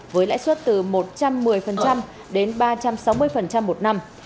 với lãi suất từ một trăm một mươi đến ba trăm sáu mươi một năm